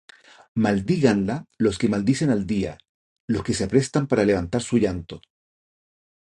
Maldíganla los que maldicen al día, Los que se aprestan para levantar su llanto.